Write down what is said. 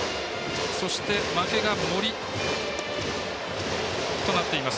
そして、負けが森となっています。